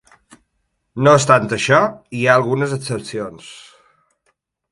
No obstant això, hi ha algunes excepcions.